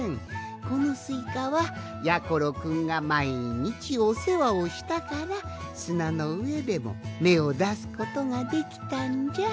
このスイカはやころくんがまいにちおせわをしたからすなのうえでもめをだすことができたんじゃ。